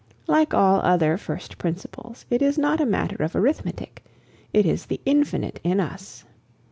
Like all other first principles, it is not a matter of arithmetic; it is the Infinite in us.